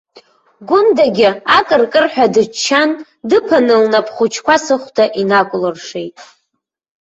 Гәындагьы акыркырҳәа дыччан, дыԥаны лнап хәыҷқәа сыхәда инакәлыршеит.